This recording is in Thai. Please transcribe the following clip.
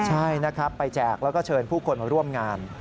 ใช่นะครับไปแจกแล้วก็เชิญผู้คนมาร่วมงาน